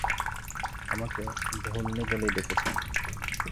আমাকে ভোল নি বলেই ডেকেছ।